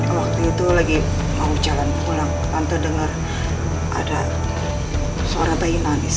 waktu itu lagi mau jalan pulang tante denger ada suara bayi nanis